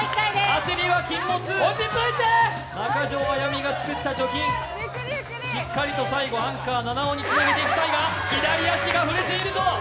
焦りは禁物、中条あやみが作った貯金、しっかり最後、アンカー菜々緒につなげていきたいが、左足が振れているぞ。